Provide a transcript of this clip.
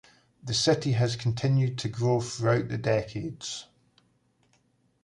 The city has continued to grow throughout the decades.